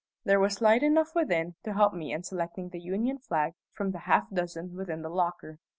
There was light enough within to help me in selecting the Union flag from the half dozen within the locker.